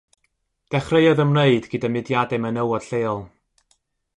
Dechreuodd ymwneud gyda mudiadau menywod lleol.